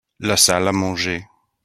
La salle à manger.